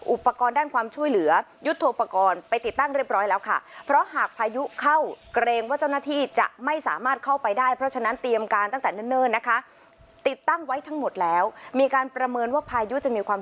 อุปกรณ์ในความช่วยเหลือยุทธ์โทรปกรณ์ไปติดตั้งเรียบร้อยแล้วค่ะ